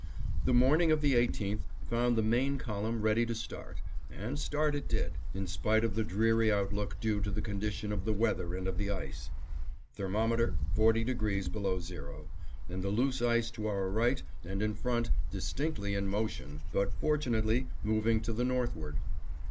The morning of the 18th found the main column ready to start, and start it did, in spite of the dreary outlook due to the condition of the weather and of the ice. Thermometer 40° below zero, and the loose ice to our right and in front distinctly in motion, but fortunately moving to the northward.